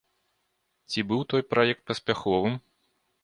Ці быў той праект паспяховым?